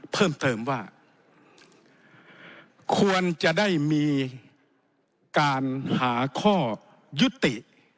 เพิ่มเติมว่าควรจะได้มีการหาข้อยุติ